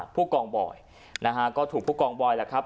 ผู้กองบอยนะฮะก็ถูกผู้กองบอยแหละครับ